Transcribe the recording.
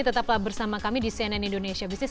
tetaplah bersama kami di cnn indonesia busines